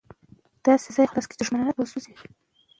شعر ښکلی هنر دی.